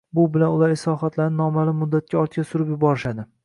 Bu bilan ular islohotlarni noma’lum muddatga ortga surib yuborishadi.